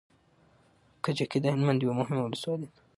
کجکی د هلمند يوه مهمه ولسوالي ده